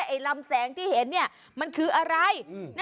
ไอ้ลำแสงที่เห็นมันคืออะไร